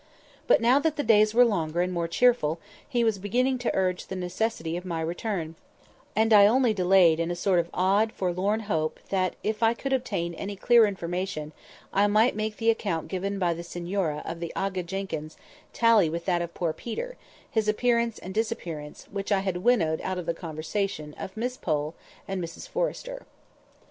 But now that the days were longer and more cheerful, he was beginning to urge the necessity of my return; and I only delayed in a sort of odd forlorn hope that if I could obtain any clear information, I might make the account given by the signora of the Aga Jenkyns tally with that of "poor Peter," his appearance and disappearance, which I had winnowed out of the conversation of Miss Pole and Mrs Forrester.